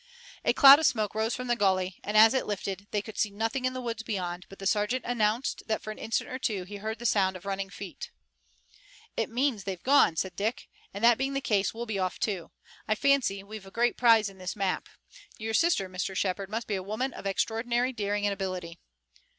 A cloud of smoke rose from the gully, and, as it lifted, they could see nothing in the woods beyond, but the sergeant announced that for an instant or two he heard the sound of running feet. "It means they've gone," said Dick, "and that being the case we'll be off, too. I fancy we've a great prize in this map. Your sister, Mr. Shepard, must be a woman of extraordinary daring and ability."